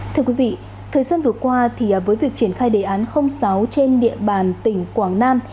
thời gian vừa qua với việc triển khai đề án sáu trên địa bàn tỉnh quảng nam